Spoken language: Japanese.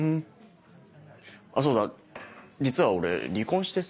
そうだ実は俺離婚してさ。